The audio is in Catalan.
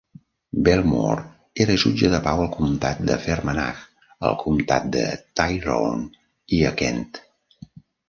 Belmore era jutge de pau al comtat de Fermanagh, al comtat de Tyrone i a Kent.